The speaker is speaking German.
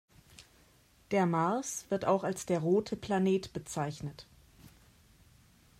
Der Mars wird auch als der „rote Planet“ bezeichnet.